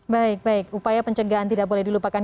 baik baik upaya pencegahan tidak boleh dilupakan